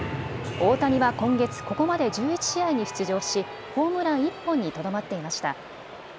大谷は今月、ここまで１１試合に出場しホームラン１本にとどまっていました。